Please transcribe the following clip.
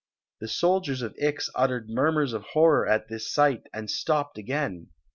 The soldiers of Ix uttered murmurs of horror at this sight, and stopped again.